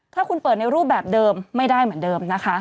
ถ้าคุณเปิดในรูปแบบเดิมไม่ได้เหมือนเดิมนะคะ